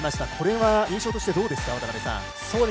これは、印象としてどうですか渡辺さん。